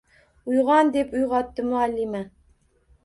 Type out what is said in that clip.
Uyg`on, deb uyg`otdi muallima